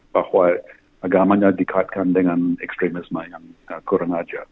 bahwa agamanya dikatkan dengan ekstremisme yang kurang aja